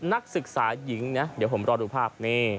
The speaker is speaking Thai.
นักศึกษาหญิงนะเดี๋ยวผมรอดูภาพ